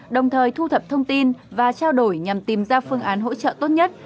đồng thời thu thập thông tin và trao đổi nhằm tìm ra phương án hỗ trợ tốt nhất